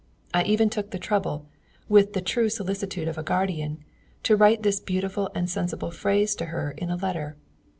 I even took the trouble, with the true solicitude of a guardian, to write this beautiful and sensible phrase to her in a letter.